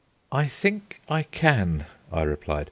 "I think I can," I replied.